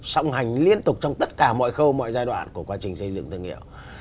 song hành liên tục trong tất cả mọi khâu mọi giai đoạn của quá trình xây dựng thương hiệu